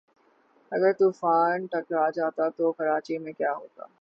اگر طوفان ٹکرا جاتا تو کراچی میں کیا ہوتا